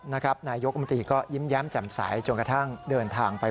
นายกรัฐมนตรีก็ยิ้มแย้มจำใส